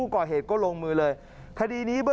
ขอบคุณครับ